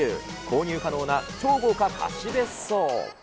購入可能な超豪華貸し別荘。